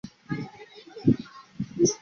本名融成。